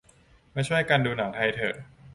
มาช่วยกันดูหนังไทยเถอะ